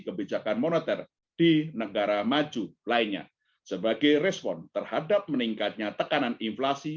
kebijakan moneter di negara maju lainnya sebagai respon terhadap meningkatnya tekanan inflasi